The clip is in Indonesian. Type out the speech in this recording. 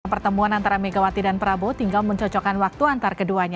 pertemuan antara megawati dan prabowo tinggal mencocokkan waktu antar keduanya